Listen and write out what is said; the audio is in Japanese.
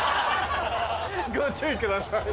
ご注意ください。